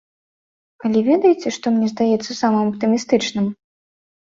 Але ведаеце, што мне здаецца самым аптымістычным?